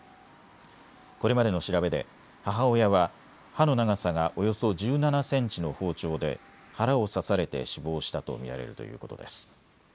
これまでの調べで母親は刃の長さがおよそ１７センチの包丁で腹を刺されて死亡したと見られるということです。